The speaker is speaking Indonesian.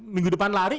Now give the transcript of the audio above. minggu depan lari